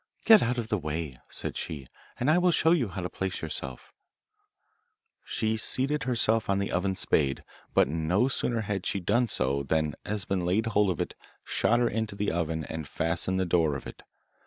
'Get out of the way,' said she, 'and I will show you how to place yourself.' She seated herself on the oven spade, but no sooner had she done so than Esben laid hold of it, shot her into the oven, and fastened the door of it.